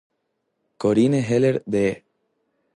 Corinne Heller de E!